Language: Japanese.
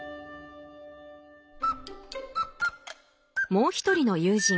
もう一人の友人Ｃ君。